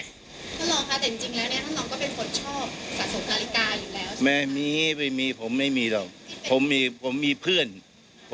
หลังลองก็เป็นใครชอบสะสมนาฬิกาอยู่แล้ว